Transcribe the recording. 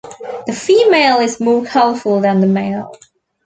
The female is more colourful than the male.